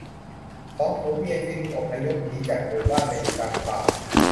สองผัวเมียจึงอพยพหนีจากหมู่บ้านมาอยู่กลางป่า